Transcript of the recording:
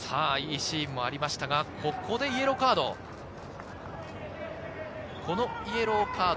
いいシーンもありましたが、ここでイエローカード。